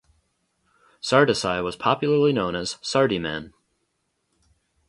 Sardesai was popularly known as 'Sardee-man'.